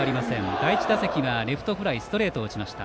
第１打席はレフトフライストレートを打ちました。